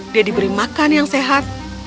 dia diberi makan yang sehat